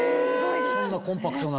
そんなコンパクトなのに。